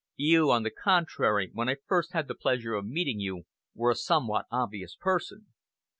You, on the contrary, when I first had the pleasure of meeting you, were a somewhat obvious person.